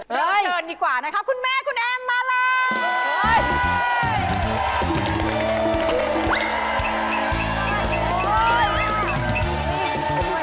เชิญดีกว่านะคะคุณแม่คุณแอมมาเลย